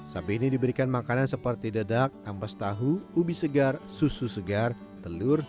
sapi ini diberikan makanan seperti dedak ampas tahu ubi segar susu segar telur